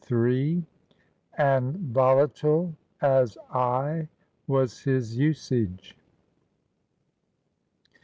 AND VOLATILE, AS AY WAS HIS USAGE.'